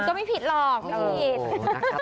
ก็ไม่ผิดหรอกไม่ผิด